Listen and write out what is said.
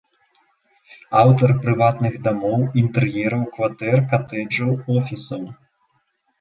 Аўтар прыватных дамоў, інтэр'ераў кватэр, катэджаў, офісаў.